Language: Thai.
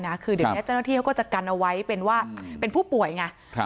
คือเดี๋ยวนี้เจ้าหน้าที่เขาก็จะกันเอาไว้เป็นว่าเป็นผู้ป่วยไง